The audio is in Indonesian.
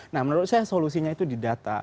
nah menurut saya solusinya itu di data